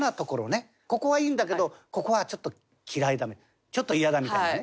ここはいいんだけどここはちょっと嫌いだちょっと嫌だみたいなね。